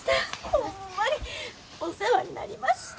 ホンマにお世話になりました。